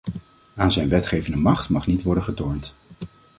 Aan zijn wetgevende macht mag niet worden getornd.